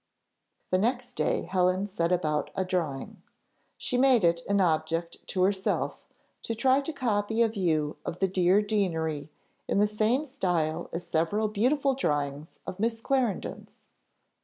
The next day Helen set about a drawing. She made it an object to herself, to try to copy a view of the dear Deanery in the same style as several beautiful drawings of Miss Clarendon's.